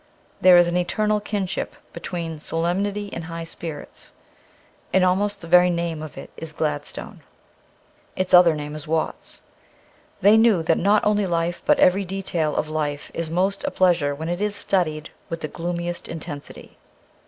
There is an eternal kinship between solemnity and high spirits, and almost the very name of it is Gladstone. Its other name is Watts. They knew that not only life, but every detail of life, is most a pleasure when it is studied with the gloomiest intensity.